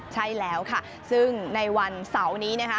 ใช่แล้วค่ะซึ่งในวันเสาร์นี้นะคะ